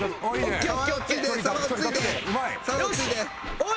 おい！